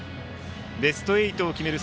ベスト８を決める